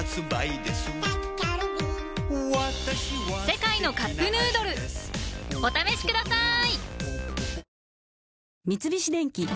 「世界のカップヌードル」お試しください！